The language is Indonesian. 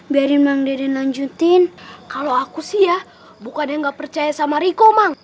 biarin bang deddy lanjutin kalau aku sih ya bukan yang gak percaya sama riko mang